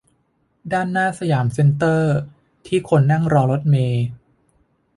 ด้านหน้าสยามเซ็นเตอร์ ที่คนนั่งรอรถเมล์